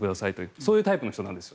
そういうタイプの人なんです。